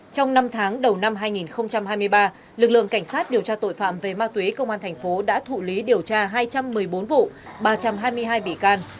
trong năm tháng đầu năm hai nghìn hai mươi ba lực lượng cảnh sát điều tra tội phạm về ma túy công an thành phố đã thụ lý điều tra hai trăm một mươi bốn vụ ba trăm hai mươi hai bị can